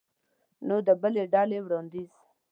نو د بلې ډلې وړاندیز